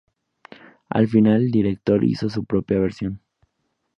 Al final el director hizo su propia versión.